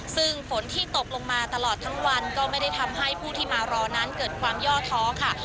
ซึ่งฝนที่ตกลงมาตลอดทั้งวันก็ไม่ได้ทำให้ผู้ที่มารอนั้นเกิดความย่อท้อค่ะ